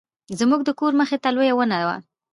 زموږ د کور مخې ته لویه ونه ده